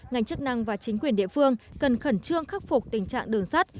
ngành chức năng và chính quyền địa phương cần khẩn trương khắc phục tình trạng đường sắt